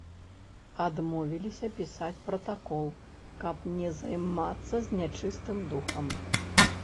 Адмовіліся пісаць пратакол, каб не займацца з нячыстым духам.